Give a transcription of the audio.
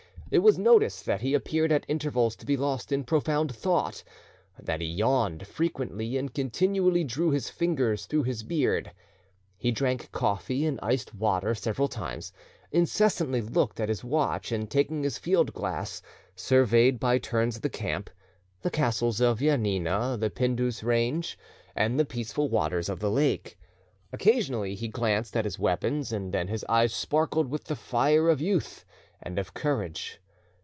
It was noticed that he appeared at intervals to be lost in profound thought, that he yawned frequently, and continually drew his fingers through his beard. He drank coffee and iced water several times, incessantly looked at his watch, and taking his field glass, surveyed by turns the camp, the castles of Janina, the Pindus range, and the peaceful waters of the lake. Occasionally he glanced at his weapons, and then his eyes sparkled with the fire of youth and of courage.